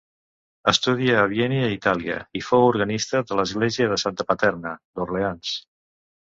Estudia a Viena i a Itàlia i fou organista de l'església de Santa Paterna, d'Orleans.